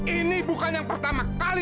ini bukan yang pertama kali